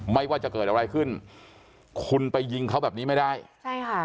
ไม่ว่าจะเกิดอะไรขึ้นคุณไปยิงเขาแบบนี้ไม่ได้ใช่ค่ะ